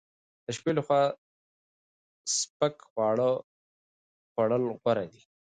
د شپې لخوا سپک خواړه خوړل غوره دي.